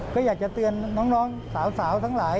ก็อยากจะเตือนน้องสาวทั้งหลาย